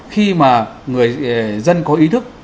khi mà người dân có ý thức